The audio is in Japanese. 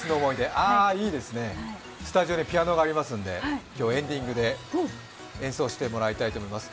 いいですね、スタジオにピアノがありますので、エンディングで演奏してもらいます。